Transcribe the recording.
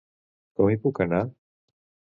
Com hi puc anar?